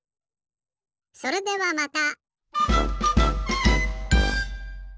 それではまた！